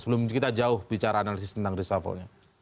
sebelum kita jauh bicara analisis tentang reshuffle nya